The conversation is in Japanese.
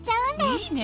いいね。